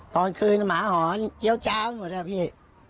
ตอนคืนหมาหอนเจี้ยวจ้าหมดอะพี่